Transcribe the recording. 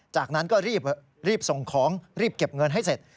จากนั้นก็รีบส่งของรีบเก็บเงินให้เสร็จ